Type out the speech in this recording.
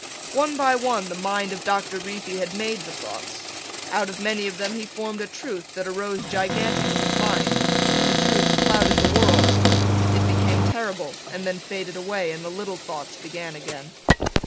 One by one the mind of Doctor Reefy had made the thoughts. Out of many of them he formed a truth that arose gigantic in his mind. The truth clouded the world. It became terrible and then faded away and the little thoughts began again.